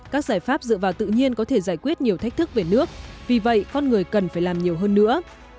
các giải pháp dựa vào tự nhiên có thể giải quyết nhiều thách thức về nước vì vậy con người cần phải làm nhiều hơn nữa